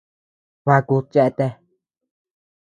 Bakud cheatea.